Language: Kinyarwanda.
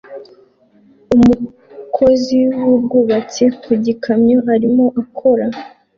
Umukozi wubwubatsi ku gikamyo arimo akora